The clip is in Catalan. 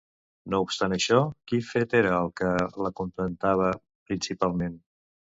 No obstant això, quin fet era el que l'acontentava principalment?